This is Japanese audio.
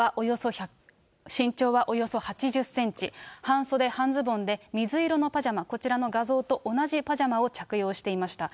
身長はおよそ８０センチ、半袖、半ズボンで、水色のパジャマ、こちらの画像と同じパジャマを着用していました。